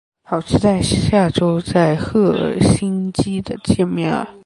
好期待下周在赫尔辛基的见面啊